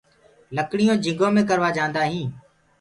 لڪڙيونٚ جھنٚگو مي ڪروآ جآنٚدآئينٚ